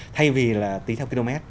thay vì là tính theo km